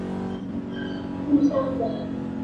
亲不亲故乡人